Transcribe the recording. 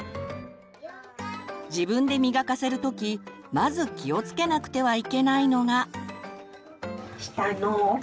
自分で磨かせるときまず気をつけなくてはいけないのが。